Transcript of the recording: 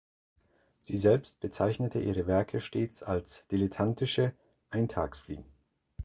Sie selbst bezeichnete ihre Werke stets als dilettantische „Eintagsfliegen“.